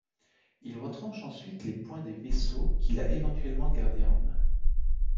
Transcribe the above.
Il retranche ensuite les points des vaisseaux qu'il a éventuellement gardés en main.